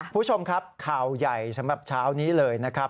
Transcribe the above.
คุณผู้ชมครับข่าวใหญ่สำหรับเช้านี้เลยนะครับ